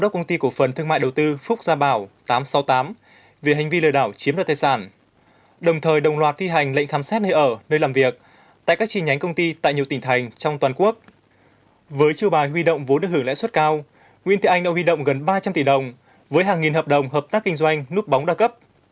với chiều bài huy động vốn được hưởng lãi suất cao nguyễn thế anh đã huy động gần ba trăm linh tỷ đồng với hàng nghìn hợp đồng hợp tác kinh doanh núp bóng đa cấp